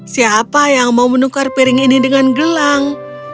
siapa yang mau menukar piring ini dengan gelang